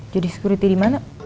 jadi security dimana